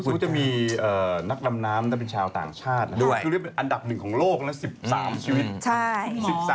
สมมุติว่าจะมีนักดำน้ำเป็นชาวต่างชาตินะครับคือเรียกเป็นอันดับหนึ่งของโลกนะ๑๓ชีวิต